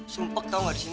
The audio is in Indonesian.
sumpah tau gak di sini